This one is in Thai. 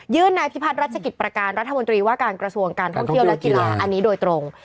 นายพิพัฒนรัชกิจประการรัฐมนตรีว่าการกระทรวงการท่องเที่ยวและกีฬาอันนี้โดยตรง